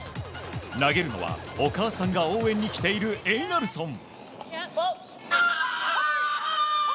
投げるのはお母さんが応援に来ているエイナルソン。